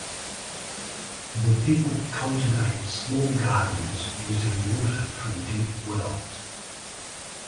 The people cultivate small gardens using water from deep wells.